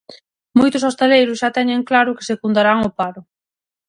Moitos hostaleiros xa teñen claro que secundarán o paro.